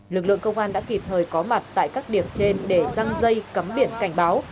lực lượng công an đã kịp thời có mặt tại các điểm trên để răng dây cấm biển cảnh báo